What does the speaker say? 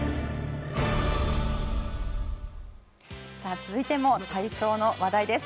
続いても体操の話題です。